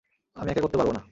আমি একা করতে পারবো না।